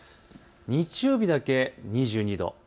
日曜日だけ２２度。